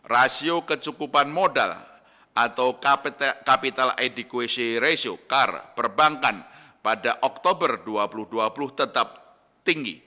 rasio kecukupan modal atau capital ediquation ratio car perbankan pada oktober dua ribu dua puluh tetap tinggi